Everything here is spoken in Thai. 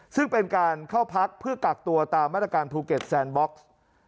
ซึ่งเป็นการเข้าพักเพื่อกักตัวตามมาตรการภูเก็ตแซนบ็อกซ์